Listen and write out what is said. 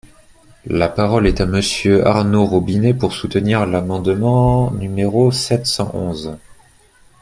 La parole est à Monsieur Arnaud Robinet, pour soutenir l’amendement numéro sept cent onze.